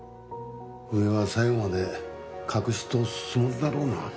上は最後まで隠し通すつもりだろうな。